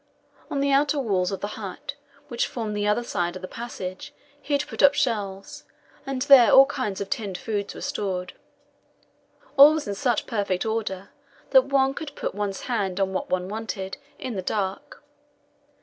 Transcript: On the outer walls of the hut, which formed the other side of the passage, he had put up shelves, and there all kinds of tinned foods were stored. All was in such perfect order that one could put one's hand on what one wanted in the dark.